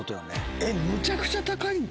えっ、むちゃくちゃ高いんか